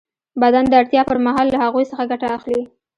بدن د اړتیا پر مهال له هغوی څخه ګټه اخلي.